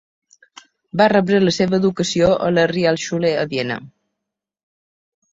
Va rebre la seva educació a la Realschule a Viena.